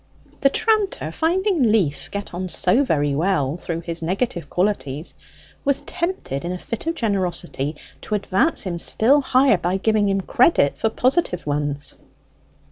The tranter, finding Leaf get on so very well through his negative qualities, was tempted in a fit of generosity to advance him still higher, by giving him credit for positive ones.